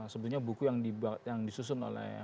sebetulnya buku yang disusun oleh